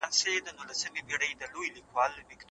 زه همدا اوس ستا پوښتنه کوم.